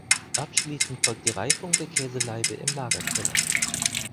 Abschliessend folgt die Reifung der Käselaibe im Lagerkeller.